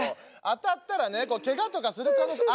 当たったらねケガとかする可能性。